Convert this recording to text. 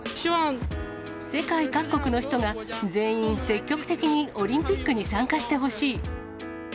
世界各国の人が全員、積極的にオリンピックに参加してほしい。